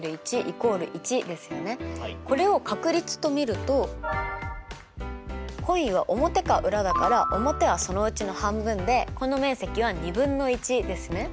これを確率と見るとコインは表か裏だから表はそのうちの半分でこの面積は２分の１ですね。